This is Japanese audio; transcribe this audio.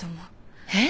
えっ！？